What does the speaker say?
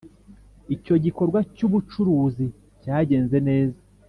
icyo gikorwa cy ubucuruzi cyagenze neza